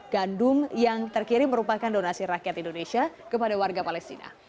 gandum yang terkirim merupakan donasi rakyat indonesia kepada warga palestina